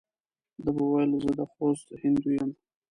ده به ویل زه د خوست هندو یم.